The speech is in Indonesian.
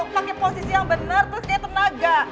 paket posisi yang bener terus liat tenaga